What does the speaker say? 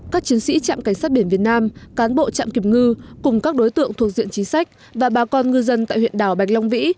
các chiến sĩ trạm cảnh sát biển việt nam cán bộ trạm kiểm ngư cùng các đối tượng thuộc diện chính sách và bà con ngư dân tại huyện đảo bạch long vĩ